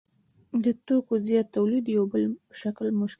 د توکو زیات تولید یو بل مشکل دی